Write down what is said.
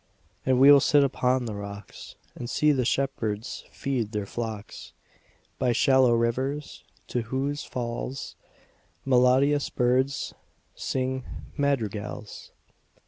And we will sit upon the rocks, 5 And see the shepherds feed their flocks By shallow rivers, to whose falls Melodious birds sing madrigals.